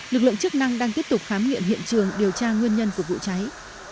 lực lượng chức năng đang tiếp tục khám nghiệm hiện trường điều tra nguyên nhân của vụ cháy